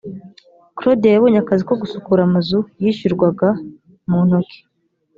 clodia yabonye akazi ko gusukura amazu yishyurwaga mu ntoki